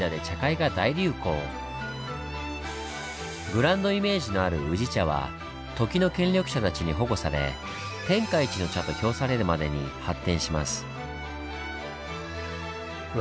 ブランドイメージのある宇治茶は時の権力者たちに保護され「天下一の茶」と評されるまでに発展します。